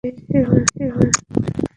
আমাকে কি বাইয়াত করবেন?